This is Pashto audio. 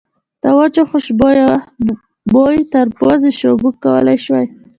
د وچو خوشبو بوی تر پوزې شو، موږ کولای شوای.